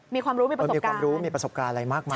มีความรู้มีประสบการณ์มีความรู้มีประสบการณ์อะไรมากมาย